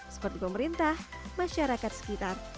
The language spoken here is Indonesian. seperti pemerintah masyarakat sekitarnya